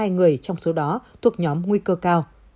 một hai trăm hai mươi hai người trong số đó thuộc nhóm nguy cơ cao